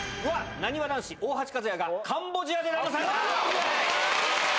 なにわ男子・大橋和也がカンボジアでダマされた！